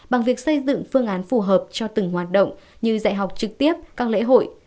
bằng việc xây dựng phương án phù hợp cho từng hoạt động như dạy học trực tiếp các lễ hội